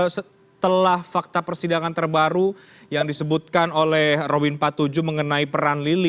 setelah fakta persidangan terbaru yang disebutkan oleh robin patujuh mengenai peran lili